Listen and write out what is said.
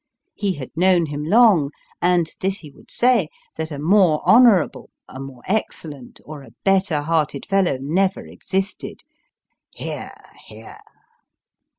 He had known him long, and this he would say, that a more honourable, a more excellent, or a better hearted fellow, never existed. (Hear, hear